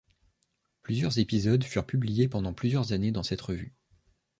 Plusieurs épisodes furent publiés pendant plusieurs années dans cette revue.